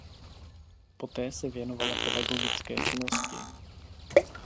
Poté se věnovala pedagogické činnosti.